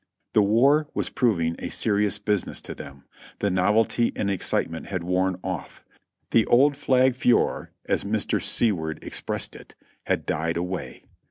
The war was proving a serious business to them. The novelty and excitement had worn of¥, "the old flag furore," as Mr. Seward expressed it, had died away.